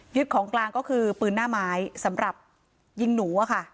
ของกลางก็คือปืนหน้าไม้สำหรับยิงหนูอะค่ะ